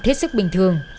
thiết sức bình thường